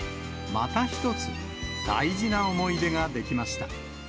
また一つ、大事な思い出ができました。